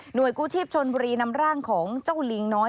โดยกู้ชีพชนบุรีนำร่างของเจ้าลิงน้อย